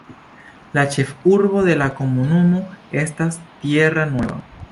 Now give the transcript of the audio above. La ĉefurbo de la komunumo estas Tierra Nueva.